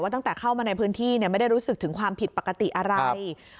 ตั้งแต่เข้ามาในพื้นที่ไม่ได้รู้สึกถึงความผิดปกติอะไร